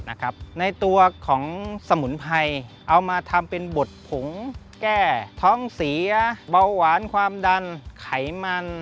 ในตัวของสมุนไพรเอามาทำเป็นบดผงแก้ท้องเสียเบาหวานความดันไขมัน